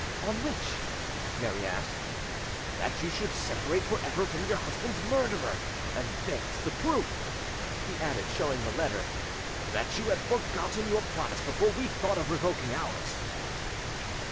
"On which?" Mary asked. "That you should separate for ever from your husband's murderer; and there is the proof," he added, showing the letter, "that you had forgotten your promise before we thought of revoking ours."